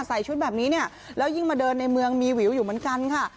ใส่ชุดแบบนี้เนี่ยแล้วยิ่งมาเดินในเมืองมีวิวอยู่เหมือนกันค่ะ